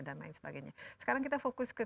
dan lain sebagainya sekarang kita fokus ke